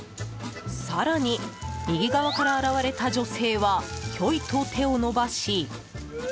更に、右側から現れた女性はひょいと手を伸ばし。